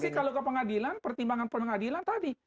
tapi kalau ke pengadilan pertimbangan pengadilan tadi